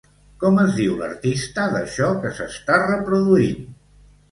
Com es diu l'artista d'això que s'està reproduint?